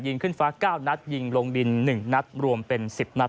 ขึ้นฟ้า๙นัดยิงลงดิน๑นัดรวมเป็น๑๐นัด